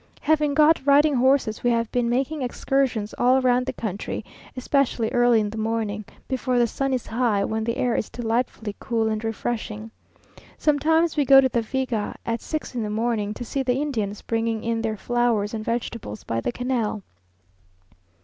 Having got riding horses we have been making excursions all round the country, especially early in the morning, before the sun is high, when the air is delightfully cool and refreshing. Sometimes we go to the Viga at six in the morning, to see the Indians bringing in their flowers and vegetables by the canal.